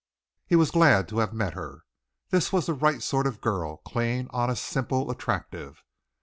He was glad to have met her. This was the right sort of girl, clean, honest, simple, attractive.